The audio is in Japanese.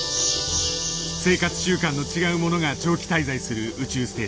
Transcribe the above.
生活習慣の違う者が長期滞在する宇宙ステーション。